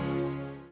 gak tahu kok